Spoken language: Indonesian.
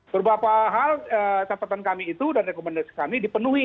beberapa hal catatan kami itu dan rekomendasi kami dipenuhi